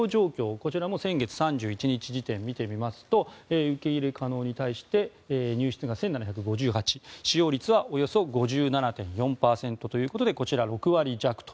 こちらも先月３１日時点、見てみますと受け入れ可能に対して入室が１７５８使用率はおよそ５７．４％ということでこちら６割弱と。